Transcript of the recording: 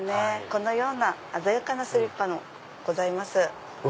このような鮮やかなスリッパもございます。